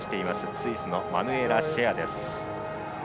スイスのマヌエラ・シェア。